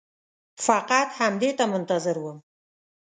فقط همدې ته منتظر وم.